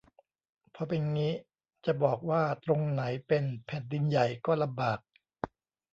พอเป็นงี้ จะบอกว่าตรงไหนเป็น "แผ่นดินใหญ่" ก็ลำบาก